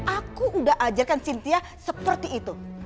aku udah ajarkan cynthia seperti itu